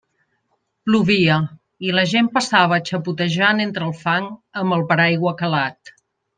Plovia, i la gent passava xapotejant entre el fang, amb el paraigua calat.